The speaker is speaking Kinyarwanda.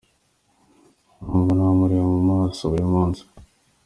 Mba numva namureba mu maso buri munsi.